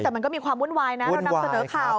แต่มันก็มีความวุ่นวายนะเรานำเสนอข่าว